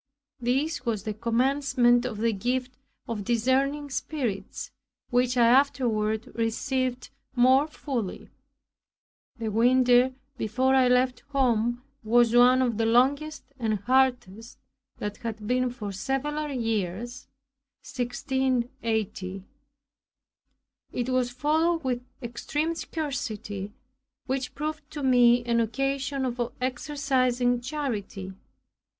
This was the commencement of the gift of discerning spirits, which I afterward received more fully. The winter before I left home was one of the longest and hardest that had been for several years (1680). It was followed with extreme scarcity, which proved to me an occasion of exercising charity.